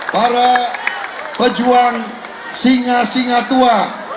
para pejuang singa singa tua